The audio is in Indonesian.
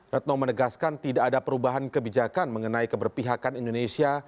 retno menegaskan tidak ada perubahan kebijakan mengenai keberpihakan indonesia